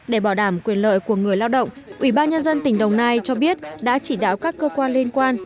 để bảo đảm quyền lợi của người lao động ubnd tỉnh đồng nai cho biết đã chỉ đạo các cơ quan liên quan